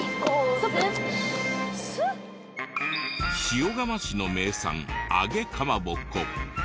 塩竈市の名産揚げかまぼこ。